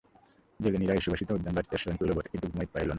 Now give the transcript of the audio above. জেলেনীরা এই সুবাসিত উদ্যানবাটীতে শয়ন করিল বটে, কিন্তু ঘুমাইতে পারিল না।